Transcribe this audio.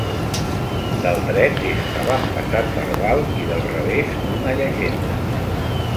Del dret és un avantpassat verbal i del revés una llegenda.